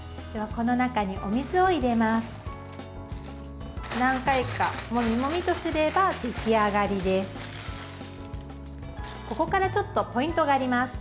ここからちょっとポイントがあります。